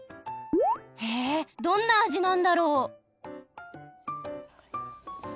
ヘえどんなあじなんだろう？